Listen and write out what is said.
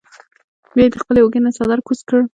بیا ئې د خپلې اوږې نه څادر کوز کړۀ ـ